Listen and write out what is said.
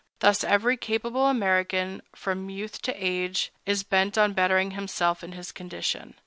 Thus every capable American, from youth to age, is bent on bettering himself and his condition.